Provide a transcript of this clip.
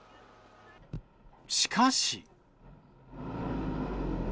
しかし。